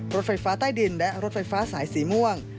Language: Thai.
รถไฟฟ้าใต้ดินและรถไฟฟ้าสายสีม่วง